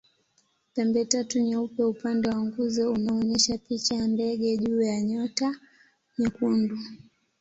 Pembetatu nyeupe upande wa nguzo unaonyesha picha ya ndege juu ya nyota nyekundu.